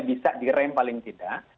bisa direm paling tidak